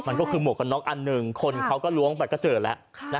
มันก็คือหมวกกันน็อกอันหนึ่งคนเขาก็ล้วงไปก็เจอแล้ว